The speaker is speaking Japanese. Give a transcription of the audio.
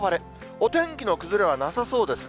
お天気の崩れはなさそうですね。